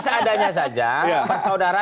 seadanya saja persaudara